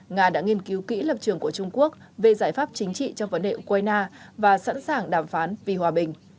nga đã nghiên cứu kỹ lập trường của trung quốc về giải pháp chính trị trong vấn đề ukraine và sẵn sàng đàm phán vì hòa bình